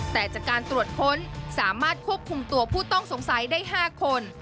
แต่จากการตรวจค้นสามารถควบคุมตัวผู้ต้องสงสัยได้๕คน